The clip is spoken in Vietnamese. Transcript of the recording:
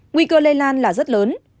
nguy cơ lây lan là rất lớn